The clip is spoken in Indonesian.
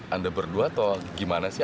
anda berdua atau gimana sih